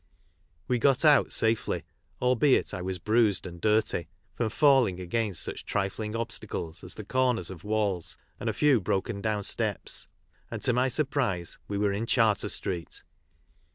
We got out safely, albeit I was bruised and dirty, from falling against such trifling obstacles as the corners of walls and a few broken down steps, and to my surprise we were in Charter street.